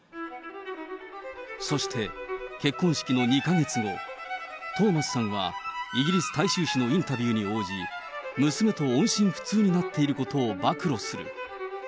そして、結婚式の２か月後、トーマスさんはイギリス大衆紙のインタビューに応じ、娘と音信不通になっていることを暴露する。